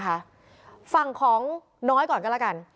ไม่ตรงกันเลยนะคะฝั่งของน้อยก่อนกันแล้วกัน